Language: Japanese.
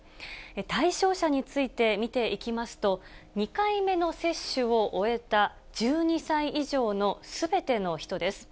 対象者について見ていきますと、２回目の接種を終えた１２歳以上のすべての人です。